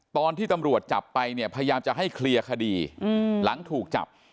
ตอนที่ตำรวจจับไปเนี่ยพยายามจะให้เคลียร์คดีหลังถูกจับ